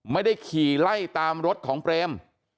ไม่ได้ขี่ไล่ตามรถของเปรม